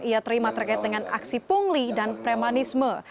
ia terima terkait dengan aksi pungli dan premanisme